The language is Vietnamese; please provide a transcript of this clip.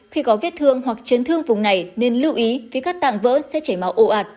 khi có viết thương hoặc chiến thương vùng này nên lưu ý vì các tạng vỡ sẽ chảy máu ồ ạt